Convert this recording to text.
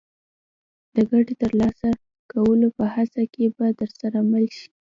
د ګټې ترلاسه کولو په هڅه کې به درسره مل شي.